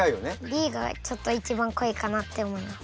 Ｂがちょっと一番濃いかなって思います。